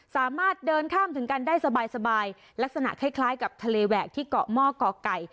สามารถเดินข้ามถึงกันได้สบายลักษณะคล้ายกับทะเลแหวกที่เกาะหม้อเกาะไก่